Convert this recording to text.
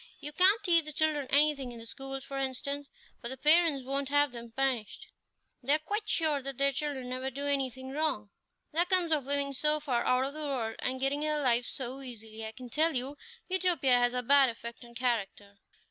You can't teach the children anything in the schools, for instance, for the parents won't have them punished; they are quite sure that their children never do anything wrong. That comes of living so far out of the world, and getting their living so easily. I can tell you, Utopia has a bad effect on character."